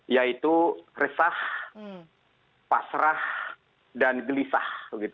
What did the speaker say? yaitu resah pasrah dan gelisah